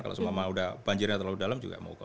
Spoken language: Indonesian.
kalau semama udah banjirnya terlalu dalam juga moko